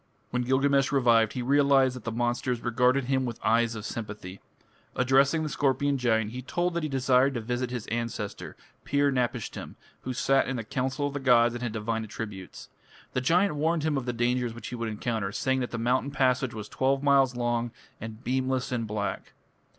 When Gilgamesh revived, he realized that the monsters regarded him with eyes of sympathy. Addressing the scorpion giant, he told that he desired to visit his ancestor, Pir napishtim, who sat in the council of the gods and had divine attributes. The giant warned him of the dangers which he would encounter, saying that the mountain passage was twelve miles long and beamless and black.